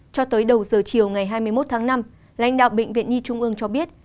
cho tới đầu giờ chiều ngày hai mươi một tháng năm lãnh đạo bệnh viện nhi trung ương cho biết